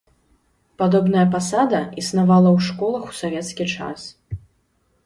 Падобная пасада існавала ў школах у савецкі час.